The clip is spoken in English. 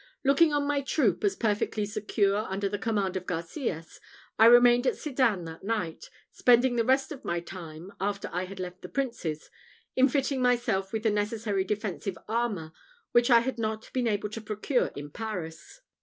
Looking on my troop as perfectly secure under the command of Garcias, I remained at Sedan that night, spending the rest of my time, after I had left the Princes, in fitting myself with the necessary defensive armour which I had not been able to procure in Paris.